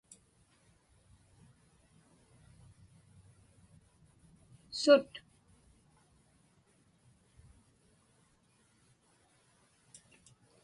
sut